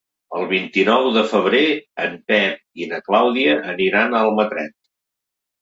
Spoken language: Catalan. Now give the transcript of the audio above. El vint-i-nou de febrer en Pep i na Clàudia aniran a Almatret.